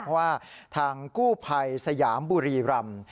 ว่าทางคู่ภัยสยามบุรีรำ